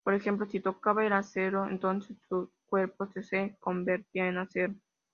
Por ejemplo, si tocaba el acero, entonces su cuerpo se convertía en acero.